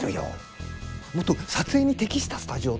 もっと撮影に適したスタジオを作らないと。